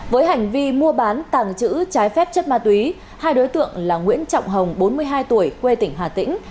với hành vi mua bán tàng trữ trái phép chất ma túy hai đối tượng là nguyễn trọng hồng bốn mươi hai tuổi quê tỉnh hà tĩnh